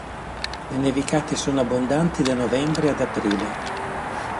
Le nevicate sono abbondanti da novembre ad aprile.